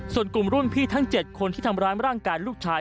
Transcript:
ส่วนกลุ่มรุ่นพี่ทั้ง๗คนที่ทำร้ายร่างกายลูกชาย